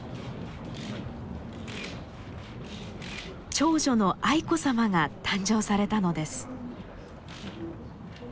長女の愛子さまが誕生されたのです。